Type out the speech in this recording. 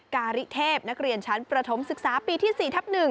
การิเทพนักเรียนชั้นประถมศึกษาปีที่๔ทับ๑